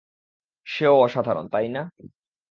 সেও অসাধারণ, তাই না?